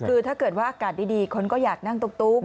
คือถ้าเกิดว่าอากาศดีคนก็อยากนั่งตุ๊ก